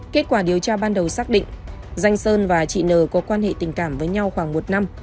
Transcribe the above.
kết quả điều tra ban đầu xác định danh sơn và chị nờ có quan hệ tình cảm với nhau khoảng một năm